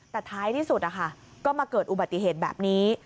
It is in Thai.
แต่ท้ายที่สุดนะคะก็มาเกิดอุบัติเหตุแบบนี้